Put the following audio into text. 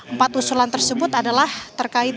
empat usulan tersebut adalah terkait